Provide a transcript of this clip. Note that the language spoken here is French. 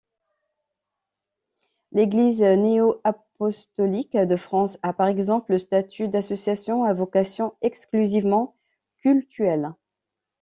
L’Église néo-apostolique de France a par exemple le statut d’association à vocation exclusivement cultuelle.